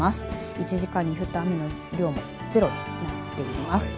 １時間に降った雨の量もゼロとなっています。